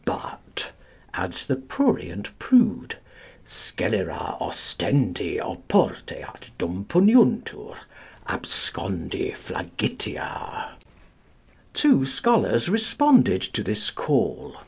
But," adds the prurient prude, "Scelera ostendi oportet dum puniunter, abscondi flagitia." Two scholars responded to this call.